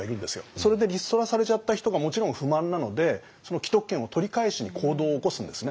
それでリストラされちゃった人がもちろん不満なのでその既得権を取り返しに行動を起こすんですね。